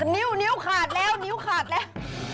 นิ้วนิ้วขาดแล้วนิ้วขาดแล้ว